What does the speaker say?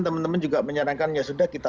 teman teman juga menyarankan ya sudah kita